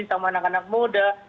sama anak anak muda